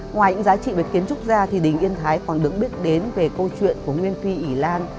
ngoài những giá trị về kiến trúc ra thì đình yên thái còn được biết đến về câu chuyện của nguyên phi ý lan